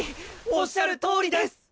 おっしゃるとおりです！